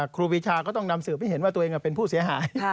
ครูปีชาก็ต้องนำสืบให้เห็นว่าตัวเองเป็นผู้เสียหาย